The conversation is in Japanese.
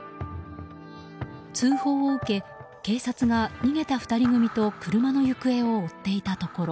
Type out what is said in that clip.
通報を受け警察が逃げた２人組と車の行方を追っていたところ。